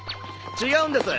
違うんです。